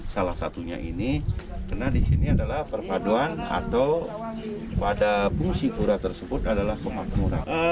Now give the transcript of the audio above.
salah satunya ini karena di sini adalah perpaduan atau pada fungsi pura tersebut adalah pemakmuran